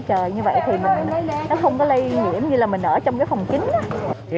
trời như vậy thì nó không có lây nhiễm như là mình ở trong cái phòng kính á